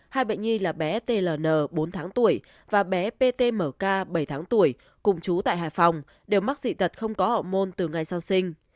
hai bệnh nhi là bé tl bốn tháng tuổi và bé ptmk bảy tháng tuổi cùng chú tại hải phòng đều mắc dị tật không có họ môn từ ngày sau sinh